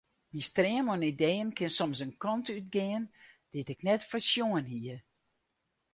Myn stream oan ideeën kin soms in kant útgean dy't ik net foarsjoen hie.